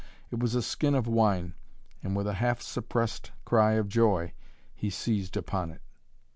It was a skin of wine and, with a half suppressed cry of joy, he seized upon it.